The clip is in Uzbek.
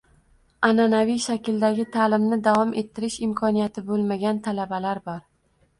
Anʼanaviy shakldagi taʼlimni davom ettirish imkoniyati boʻlmagan talabalar bor